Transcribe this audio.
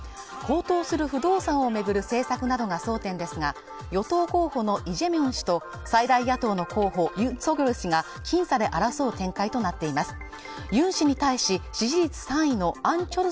高騰する不動産をめぐる政策などが争点ですが与党候補のイ・ジェミョン氏と最大野党の候補ユン・ソギョル氏が僅差で争う展開となっています